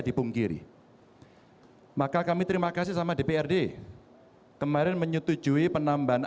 dipungkiri maka kami terima kasih sama dprd kemarin menyetujui penambahan